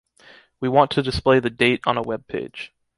We want to display the date on a web-page.